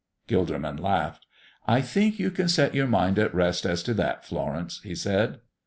Gilderman laughed. "I think you can set your mind at rest as to that, Florence," he said.